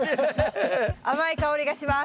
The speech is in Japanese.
甘い香りがします。